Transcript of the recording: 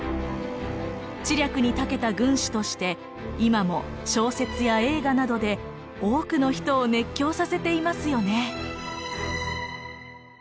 知略に長けた軍師として今も小説や映画などで多くの人を熱狂させていますよね。